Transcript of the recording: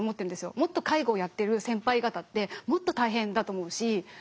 もっと介護をやってる先輩方ってもっと大変だと思うし。